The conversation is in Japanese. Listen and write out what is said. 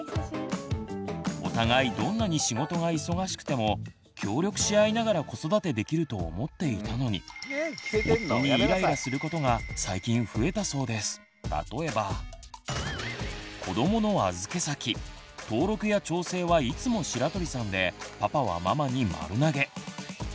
お互いどんなに仕事が忙しくても協力し合いながら子育てできると思っていたのに例えば登録や調整はいつも白鳥さんでパパはママに丸投げ。